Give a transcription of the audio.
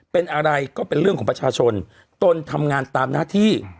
เป็นอะไรก็เป็นเรื่องของประชาชนตนทำงานตามหน้าที่